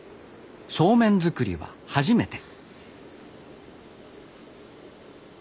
そうめん作りは初めて。